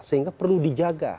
sehingga perlu dijaga